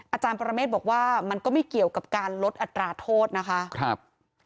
อาจารย์ปรเมฆบอกว่ามันก็ไม่เกี่ยวกับการลดอัตราโทษนะคะ